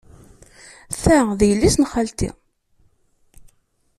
Ta d yelli-s n xalti.